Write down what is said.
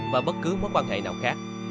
và bất cứ mối quan hệ nào khác